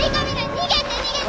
逃げて逃げて！